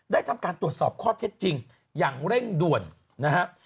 ทำการตรวจสอบข้อเท็จจริงอย่างเร่งด่วนนะครับ